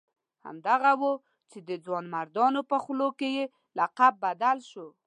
همدغه وو چې د ځوانمردانو په خولو کې یې لقب بدل شو.